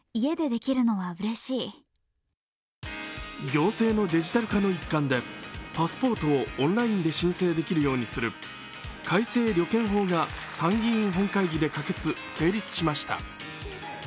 行政のデジタル化の一環でパスポートをオンラインで申請できるようにする改正旅券法が参議院本会議で可決・成立しました。